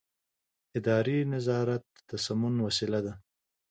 اداري نظارت د سمون وسیله ده.